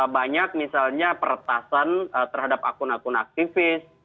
banyak misalnya peretasan terhadap akun akun aktivis